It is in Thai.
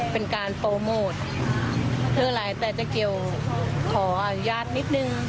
เป็นการโปรโมทเพื่ออะไรแต่เจ๊เกียวขออนุญาตนิดนึง